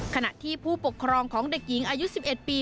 ขณะที่ผู้ปกครองของเด็กหญิงอายุ๑๑ปี